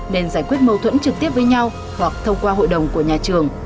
nên giải quyết mâu thuẫn trực tiếp với nhau hoặc thông qua hội đồng của nhà trường